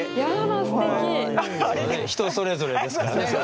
人それぞれですから。